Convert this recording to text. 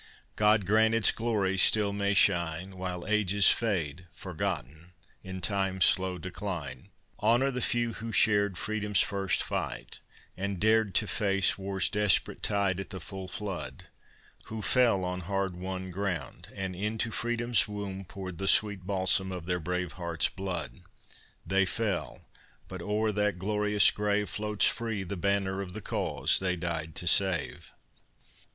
God grant its glories still may shine, While ages fade, forgotten, in time's slow decline! Honor the few who shared Freedom's first fight, and dared To face war's desperate tide at the full flood; Who fell on hard won ground, And into Freedom's wound Poured the sweet balsam of their brave hearts' blood. They fell; but o'er that glorious grave Floats free the banner of the cause they died to save.